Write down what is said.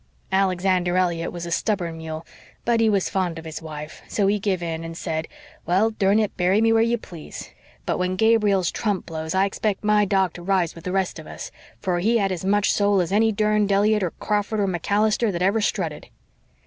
Alexander Elliott was a stubborn mule, but he was fond of his wife, so he give in and said, 'Well, durn it, bury me where you please. But when Gabriel's trump blows I expect my dog to rise with the rest of us, for he had as much soul as any durned Elliott or Crawford or MacAllister that ever strutted.'